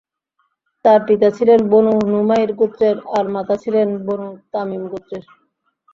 তাঁর পিতা ছিলেন বনু নুমাইর গোত্রের আর মাতা ছিলেন বনু তামীম গোত্রের।